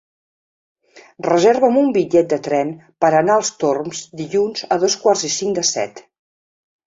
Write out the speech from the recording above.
Reserva'm un bitllet de tren per anar als Torms dilluns a dos quarts i cinc de set.